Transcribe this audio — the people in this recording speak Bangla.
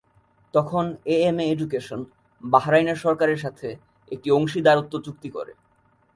তখন এ এম এ এডুকেশন বাহরাইনের সরকারের সাথে একটি অংশীদারত্ব চুক্তি করে।